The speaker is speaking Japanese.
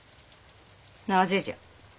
なぜじゃ？